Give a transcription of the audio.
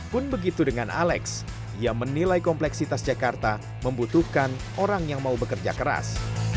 pun begitu dengan alex ia menilai kompleksitas jakarta membutuhkan orang yang mau bekerja keras